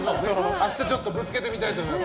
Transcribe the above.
明日、ぶつけてみたいと思います。